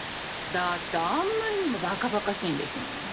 だってあんまりにも馬鹿馬鹿しいんですもの。